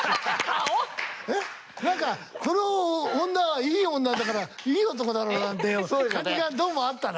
何かこの女はいい女だからいい男だろうなんて感じがどうもあったな。